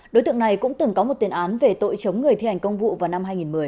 đối tượng này cũng từng có một tiền án về tội chống người thi hành công vụ vào năm hai nghìn một mươi